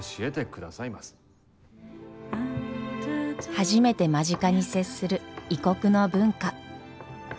「ランタタン」初めて間近に接する異国の文化。